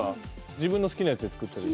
自分の好きなつやつで作って。